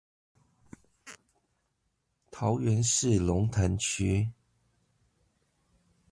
桃園市龍潭區